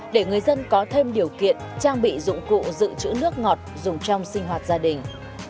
để người dân có thêm điều kiện trang bị dụng cụ giữ chữ nước ngọt dùng trong sinh hoạt gia đình